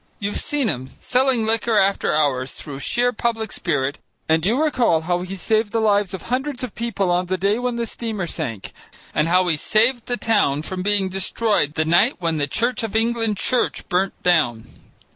You've seen him selling liquor after hours through sheer public spirit, and you recall how he saved the lives of hundreds of people on the day when the steamer sank, and how he saved the town from being destroyed the night when the Church of England Church burnt down.